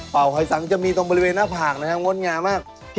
หอยสังจะมีตรงบริเวณหน้าผากนะครับงดงามมาก